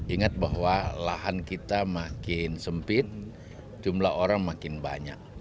ingat bahwa lahan kita makin sempit jumlah orang makin banyak